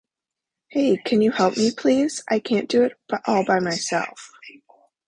Hey, can you help me please? I can't do it all by myself!